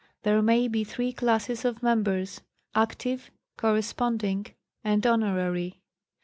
There may be three classes of members, active, corresponding, and honorary.